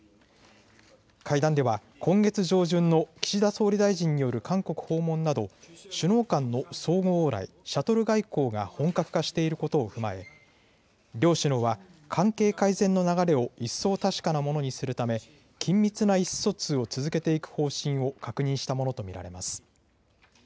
会談では今月上旬の岸田総理大臣による韓国訪問など首脳間の相互往来、シャトル外交が本格化していることを踏まえ、両首脳は関係改善の流れを一層確かなものにするため緊密な意思疎通を続けていく方針を確認したものと見られます。